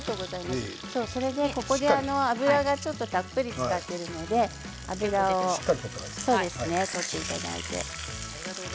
ここで油がたっぷり使っているので油を取っていただいて。